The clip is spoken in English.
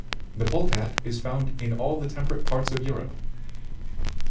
The Polecat is found in all the temperate parts of Europe.